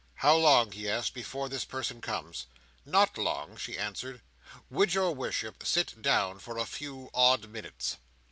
"How long," he asked, "before this person comes?" "Not long," she answered. "Would your worship sit down for a few odd minutes?"